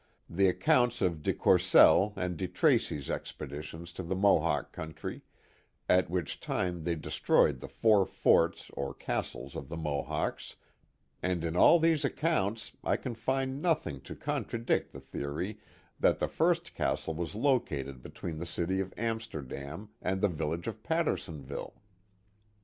the account of De Courcelle and De Tracy's expedition to the Mohawk country, at which time they destroyed the four forts or castles of the Mohawks, and In all these accounts I can find nothing to coa>' tradict the theorj' that the first castle was located between the city of Amsterdam and the village of Pattersonville.